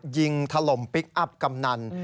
ยิงทะลมพลิกอัพกำนัน